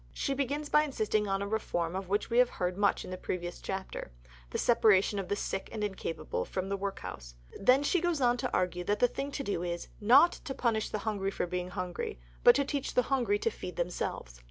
She begins by insisting on a reform of which we have heard much in a previous chapter: the separation of the sick and incapable from the workhouse. Then she goes on to argue that the thing to do is "not to punish the hungry for being hungry, but to teach the hungry to feed themselves."